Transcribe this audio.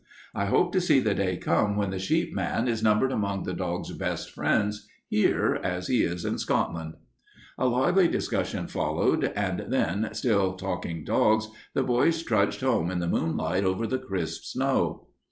I hope to see the day come when the sheep man is numbered among the dog's best friends here as he is in Scotland." A lively discussion followed, and then, still talking dogs, the boys trudged home in the moonlight, over the crisp snow.